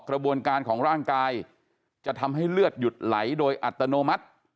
กระบวนการของร่างกายจะทำให้เลือดหยุดไหลโดยอัตโนมัติ